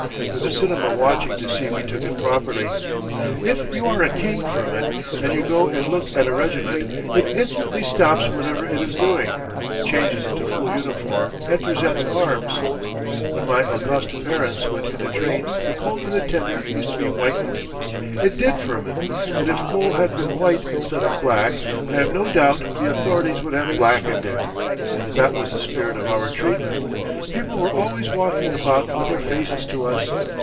With a cinema watching to see we took it properly. If you are a king, Firmin, and you go and look at a regiment, it instantly stops whatever it is doing, changes into full uniform and presents arms. When my august parents went in a train the coal in the tender used to be whitened. It did, Firmin, and if coal had been white instead of black I have no doubt the authorities would have blackened it. That was the spirit of our treatment. People were always walking about with their faces to us.